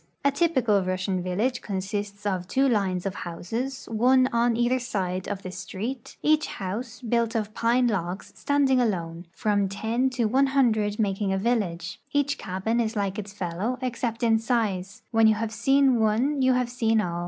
A t}"pical Russian village consists of two lines of houses, one on either side of the street, each house, built of pine logs, stand ing alone, from ten to one hundred making a village ; each cabin is like its fellow except in size ; when you have seen one you have seen all.